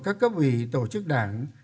các cấp ủy tổ chức đảng